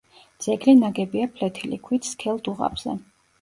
ძეგლი ნაგებია ფლეთილი ქვით სქელ დუღაბზე.